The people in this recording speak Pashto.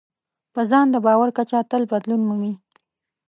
په ځان د باور کچه تل بدلون مومي.